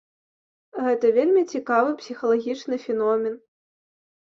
Гэта вельмі цікавы псіхалагічны феномен.